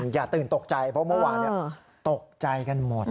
อย่าตื่นตกใจเพราะเมื่อวานตกใจกันหมด